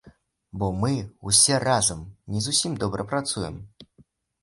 Бо мы, усе разам, не зусім добра працуем.